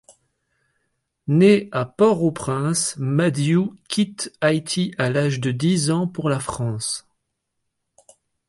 Né à Port-au-Prince, Madiou quitte Haïti à l'âge de dix ans pour la France.